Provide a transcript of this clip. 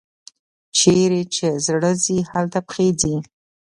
چیري چي زړه ځي، هلته پښې ځي.